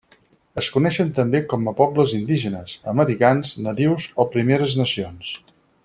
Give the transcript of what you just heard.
Es coneixen també com a pobles indígenes, americans nadius o primeres nacions.